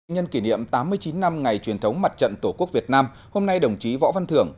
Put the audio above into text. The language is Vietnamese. nhân kỷ niệm tám mươi chín năm ngày truyền thống mặt trận tổ quốc việt nam hôm nay đồng chí võ văn thưởng